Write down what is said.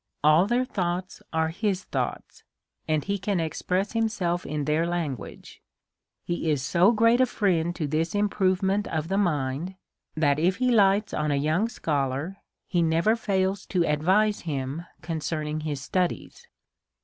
All their thoughts are his thoughts, and he can ex press himself in their language. He is so great a friend to this improvement of the mind, that if he lights on a young' scholar, he never fails to advise him concerning his studies.